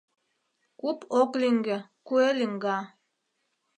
Куп ок лӱҥгӧ, куэ лӱҥга.